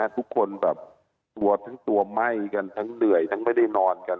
ทุกคนแบบตัวทั้งตัวไหม้กันทั้งเหนื่อยทั้งไม่ได้นอนกัน